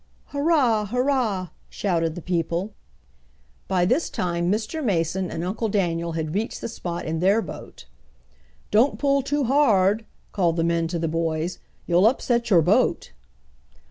"Hurrah! hurrah!" shouted the people. By this time Mr. Mason and Uncle Daniel had reached the spot in their boat. "Don't pull too hard!" called the men to the boys. "You'll upset your boat."